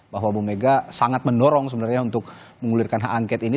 bahwa bu mega sangat mendorong sebenarnya untuk mengulirkan hak angket ini